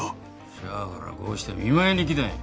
せやからこうして見舞いに来たんや。